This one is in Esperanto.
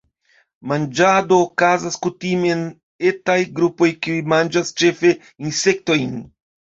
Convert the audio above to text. Manĝado okazas kutime en etaj grupoj kiuj manĝas ĉefe insektojn.